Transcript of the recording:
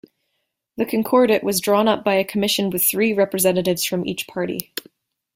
The Concordat was drawn up by a commission with three representatives from each party.